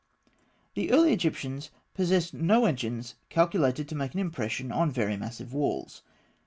] The early Egyptians possessed no engines calculated to make an impression on very massive walls.